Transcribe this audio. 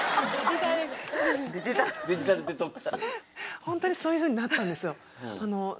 ホントにそういうふうになったんですよ。